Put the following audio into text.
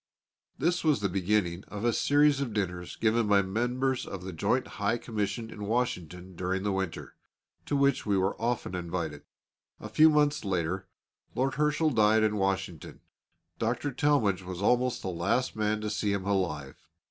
This was the beginning of a series of dinners given by members of the Joint High Commission in Washington during the winter, to which we were often invited. A few months later Lord Herschel died in Washington. Dr. Talmage was almost the last man to see him alive.